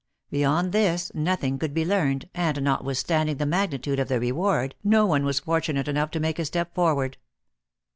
Beyond this nothing could be learned, and, notwithstanding the magnitude of the reward, no one was fortunate enough to make a step forward.